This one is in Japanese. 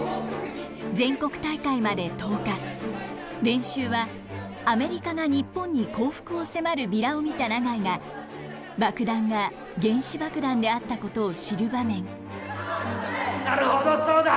練習はアメリカが日本に降伏を迫るビラを見た永井が爆弾が原子爆弾であったことを知る場面。